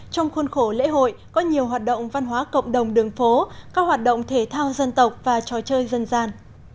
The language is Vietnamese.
trong khuôn khổ lễ hội có nhiều hoạt động văn hóa cộng đồng đường phố các hoạt động thể thao dân tộc và trò chơi dân gian